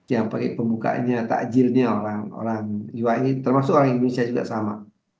yang pakai pembukanya takjilnya orang orang jiwa ini termasuk orang indonesia juga sama